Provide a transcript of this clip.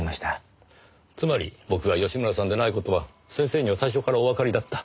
つまり僕が吉村さんでない事は先生には最初からおわかりだった。